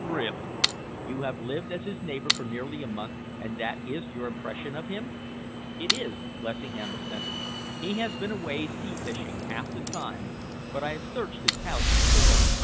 "Really! You have lived as his neighbour for nearly a month, and that is your impression of him?" "It is," Lessingham assented. "He has been away sea fishing, half the time, but I have searched his house thoroughly."